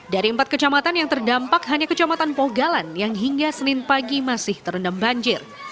dari empat kecamatan yang terdampak hanya kecamatan pogalan yang hingga senin pagi masih terendam banjir